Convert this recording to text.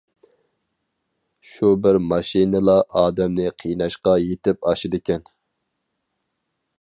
شۇ بىر ماشنىلا ئادەمنى قىيناشقا يىتىپ ئاشىدىكەن.